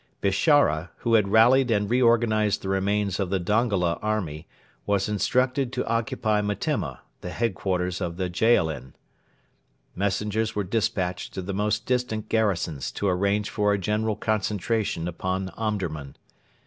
Bishara, who had rallied and reorganised the remains of the Dongola army, was instructed to occupy Metemma, the headquarters of the Jaalin. Messengers were despatched to the most distant garrisons to arrange for a general concentration upon Omdurman.